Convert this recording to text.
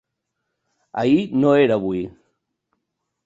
Ahir no era avui!